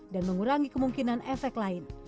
dan mengurangi kemungkinan efek lain